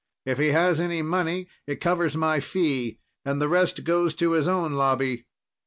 If he has any money, it covers my fee and the rest goes to his own Lobby."